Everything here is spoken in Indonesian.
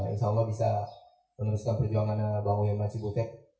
insya allah bisa meneruskan perjuangan bawang yama cibutek